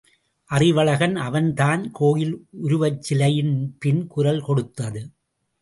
அறிவழகன் அவன் தான் கோயில் உருவச்சிலையின் பின் குரல் கொடுத்தது.